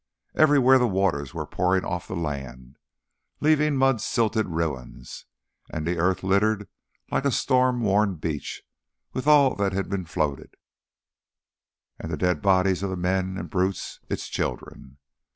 Everywhere the waters were pouring off the land, leaving mud silted ruins, and the earth littered like a storm worn beach with all that had floated, and the dead bodies of the men and brutes, its children.